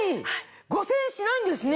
５０００円しないんですね。